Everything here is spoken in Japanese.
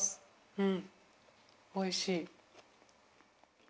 うんおいしい。